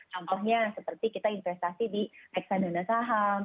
contohnya seperti kita investasi di ekstern dana saham